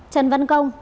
trần văn công